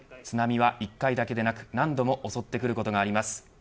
津波は１回だけでなく何度も襲ってくることがあります。